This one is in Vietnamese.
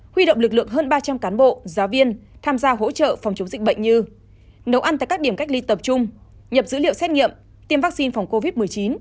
huy động lực lượng hơn ba trăm linh cán bộ giáo viên tham gia hỗ trợ phòng chống dịch bệnh như nấu ăn tại các điểm cách ly tập trung nhập dữ liệu xét nghiệm tiêm vaccine phòng covid một mươi chín